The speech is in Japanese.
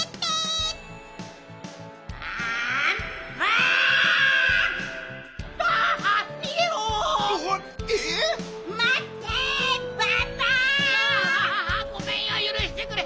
あごめんよゆるしてくれ。